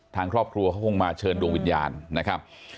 ทางครอบครัวเขาคงมาเชิญดวงวิญญาณนะครับ